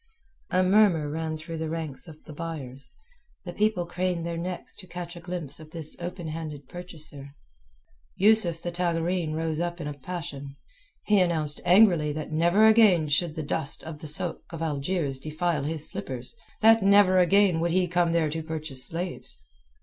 A murmur ran through the ranks of the buyers, the people craned their necks to catch a glimpse of this open handed purchaser. Yusuf the Tagareen rose up in a passion. He announced angrily that never again should the dust of the sôk of Algiers defile his slippers, that never again would he come there to purchase slaves.